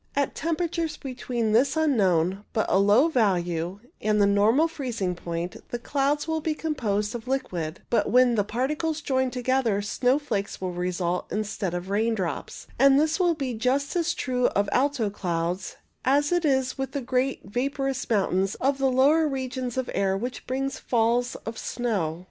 At temperatures between this unknown, but low value, and the normal freezing point, the clouds will be composed of liquid ; but when the particles join together, snowflakes will result instead of raindrops ; and this will be just as true of alto clouds as it is of the great vaporous mountains of the lower regions of the air which bring falls of snow.